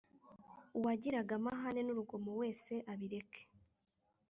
uwagiraga amahane n’urugomo wese abireke